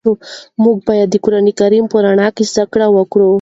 موږ باید د قرآن په رڼا کې زده کړې وکړو.